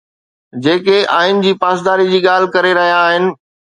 جيڪي آئين جي پاسداري جي ڳالهه ڪري رهيا آهن